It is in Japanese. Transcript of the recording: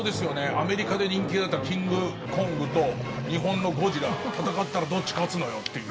アメリカで人気があったキングコングと日本のゴジラ戦ったらどっちが勝つのよっていう。